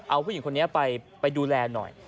เอาผู้หญิงคนนี้ไปดูแลหน่อย